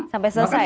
sampai selesai ya